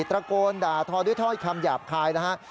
ตระโกนด่าทอด้วยท้อคำหยาบคายนะครับ